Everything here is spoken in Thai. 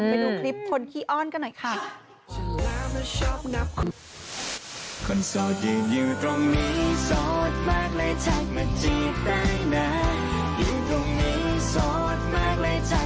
ไปดูคลิปคนขี้อ้อนกันหน่อยค่ะ